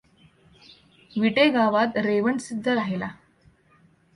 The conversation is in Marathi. विटे गांवांत रेवणसिद्ध राहिला.